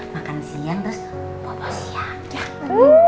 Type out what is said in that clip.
makan siang terus bawa bawa siang